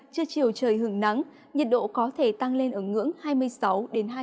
trưa chiều trời hưởng nắng nhiệt độ có thể tăng lên ở ngưỡng hai mươi sáu hai mươi chín